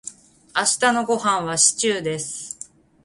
明日のごはんはシチューです。